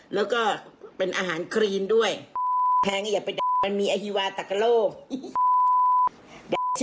แล้วก็เป็นอาหารครีนด้วยแพงอย่าไปดักมันมีอฮีวาตักกะโลก